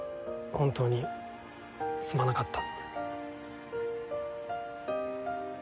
本当にすまなかった。